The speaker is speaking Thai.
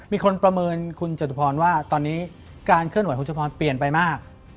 มีคนประเมินคุณจตุพรว่าตอนนี้การเคลื่อนไหวคุณชุพรเปลี่ยนไปมาก